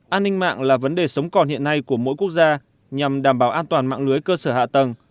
an ninh mạng là vấn đề sống còn hiện nay của mỗi quốc gia nhằm đảm bảo an toàn mạng lưới cơ sở hạ tầng